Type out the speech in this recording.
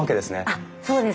あっそうです。